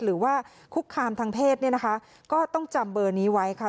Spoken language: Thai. หรือว่าคุกคามทางเพศเนี่ยนะคะก็ต้องจำเบอร์นี้ไว้ค่ะ